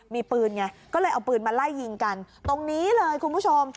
มีปืนไงก็เลยเอาปืนมาไล่ยิงกันตรงนี้เลยคุณผู้ชม